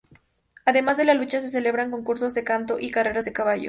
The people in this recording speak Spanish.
Además de la lucha se celebran concursos de canto y carreras de caballos.